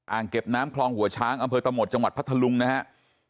เก็บน้ำคลองหัวช้างอำเภอตะหมดจังหวัดพัทธลุงนะครับ